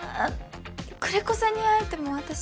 久連木さんに会えても私。